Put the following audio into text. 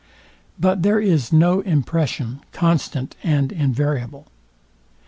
But there is no impression constant and invariable.